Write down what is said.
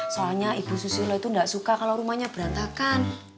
soalnya ibu susilo itu gak suka kalo rumahnya berantakan